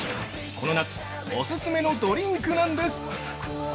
この夏オススメのドリンクなんです！